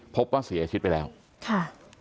พบว่าเสียชีวิตไปแล้วค่ะ